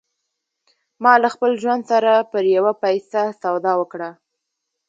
ما له خپل ژوند سره پر يوه پيسه سودا وکړه.